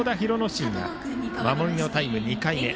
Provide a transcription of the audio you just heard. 新が守りのタイム、２回目。